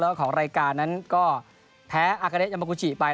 แล้วก็ของรายการนั้นก็แพ้อากาเดชยามากูชิไป